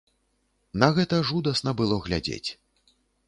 На гэта жудасна было глядзець.